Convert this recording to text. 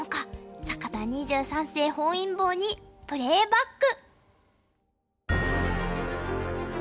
坂田二十三世本因坊にプレーバック！